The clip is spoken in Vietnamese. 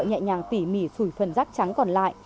nhẹ nhàng tỉ mỉ sùi phần rác trắng còn lại